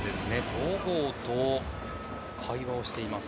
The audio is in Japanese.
戸郷と会話をしています。